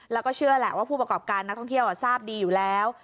แล้วก็เชื่อแหละว่าผู้ประกอบการนักท่องเที่ยวทราบดีอยู่แล้ว